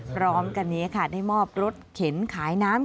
พร้อมกันนี้ค่ะได้มอบรถเข็นขายน้ำ